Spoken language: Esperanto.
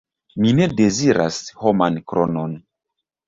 Mi ne deziras homan kronon.